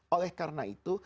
oleh karena itu